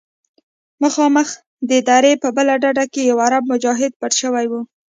مخامخ د درې په بله ډډه کښې يو عرب مجاهد پټ سوى و.